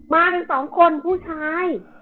มากันสองคนผู้ชาย